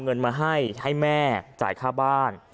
เงินมาให้ให้แม่จ่ายค่าบ้าน